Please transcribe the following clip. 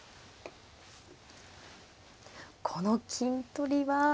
この金取りは。